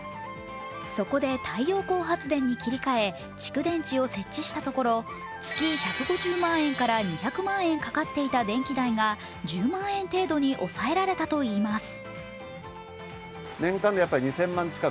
そこで太陽光発電に切り替え、蓄電池を設置したところ、月１５０万円から２００万円かかっていた電気代が１０万円程度に抑えられたといいます。